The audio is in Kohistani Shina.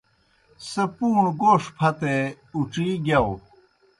سہ پُوݨوْ گوݜ پھتے اُڇِی گِیاؤ۔